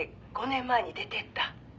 ５年前に出て行った。